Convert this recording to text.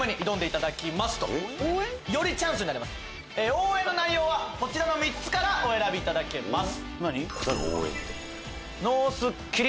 応援の内容はこちらの３つからお選びいただけます。